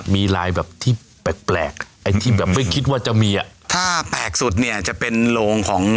มีรายแบบแบกที่แปลก